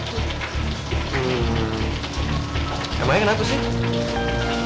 hmm emang yang enak tuh sih